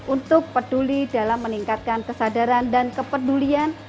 untuk peduli dalam meningkatkan kesadaran dan kepedulian